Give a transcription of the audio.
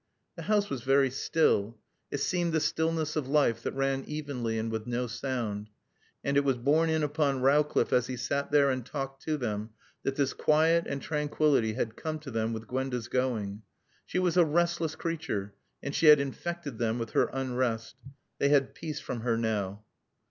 The house was very still, it seemed the stillness of life that ran evenly and with no sound. And it was borne in upon Rowcliffe as he sat there and talked to them that this quiet and tranquillity had come to them with Gwenda's going. She was a restless creature, and she had infected them with her unrest. They had peace from her now.